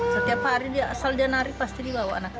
setiap hari di asal janari pasti dibawa anaknya